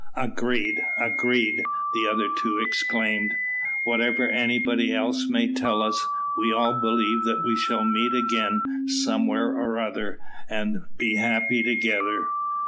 "Agreed! agreed!" the other two exclaimed. "Whatever anybody else may tell us, we'll all believe that we shall meet again somewhere or other, and be happy together."